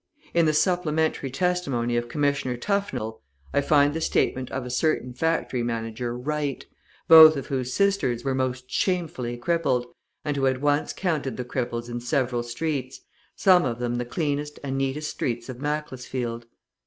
In the supplementary testimony of Commissioner Tufnell, I find the statement of a certain factory manager Wright, both of whose sisters were most shamefully crippled, and who had once counted the cripples in several streets, some of them the cleanest and neatest streets of Macclesfield.